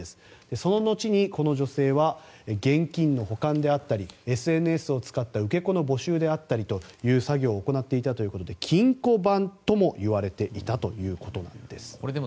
その後にこの女性は現金の保管であったりＳＮＳを使った受け子の募集であったりという詐欺を行っていたということで金庫番ともいわれていたということです。